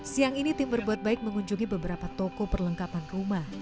siang ini tim berbuat baik mengunjungi beberapa toko perlengkapan rumah